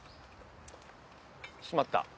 ・「しまった」？